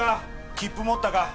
切符持ったか？